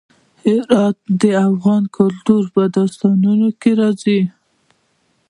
هرات د افغان کلتور په داستانونو کې راځي.